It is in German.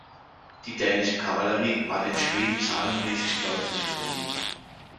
Die dänische Kavallerie war den Schweden zahlenmäßig deutlich überlegen.